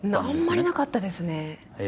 あんまりなかったですね。